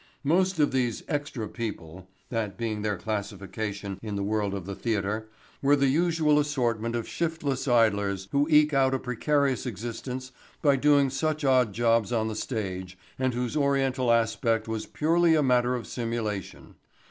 Most of these "extra people," that being their classification in the world of the theatre, were the usual assortment of shiftless idlers who eke out a precarious existence by doing such odd jobs on the stage and whose Oriental aspect was purely a matter of simulation.